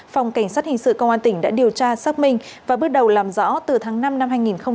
phòng cảnh sát hình sự công an tỉnh đã điều tra xác minh và bước đầu làm rõ từ tháng năm năm hai nghìn hai mươi ba